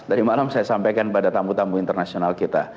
dari mana saya sampaikan pada tamu tamu internasional kita